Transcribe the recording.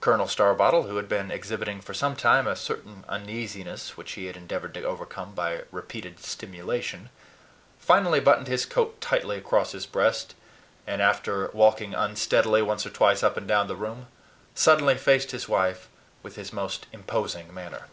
Colonel Starbottle, who had been exhibiting for some time a certain uneasiness which he had endeavored to overcome by repeated stimulation, finally buttoned his coat tightly across his breast, and after walking unsteadily once or twice up and down the room, suddenly faced his wife with his most imposing manner.